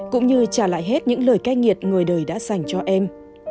cũng như trả lại hết những lời ca nghiệt người đời đã dành cho em